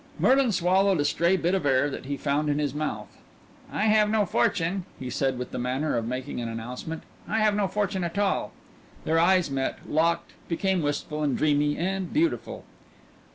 Merlin swallowed a stray bit of air that he found in his mouth. "I have no fortune," he said with the manner of making an announcement. "I have no fortune at all." Their eyes met, locked, became wistful, and dreamy and beautiful.